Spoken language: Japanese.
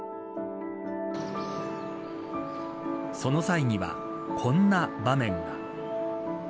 その際にはこんな場面が。